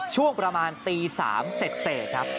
ช่วงประมาณตี๓เสร็จครับ